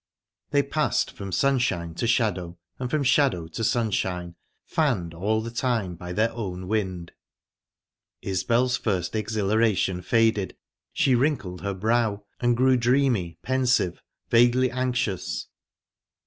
They passed from sunshine to shadow, and from shadow to sunshine, fanned all the time by their own wind. Isbel's first exhilaration faded: she wrinkled her brow, and grew dreamy, pensive, vaguely anxious.